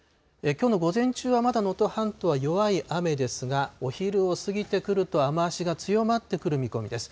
きょうの午前中は、まだ能登半島は弱い雨ですが、お昼を過ぎてくると雨足が強まってくる見込みです。